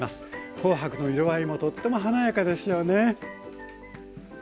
紅白の色合いもとっても華やかですよね。